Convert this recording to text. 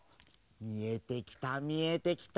みえてきたみえてきた！